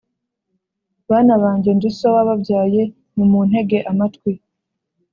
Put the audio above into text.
Bana banjye, ndi so wababyaye, nimuntege amatwi;